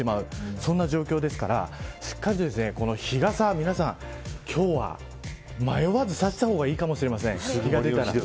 そんな状況ですからしっかりと日傘、皆さん今日は迷わず差した方がいいかもしれません。